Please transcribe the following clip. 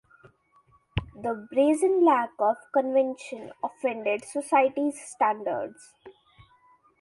This brazen lack of convention offended society's standards.